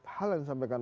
hal yang disampaikan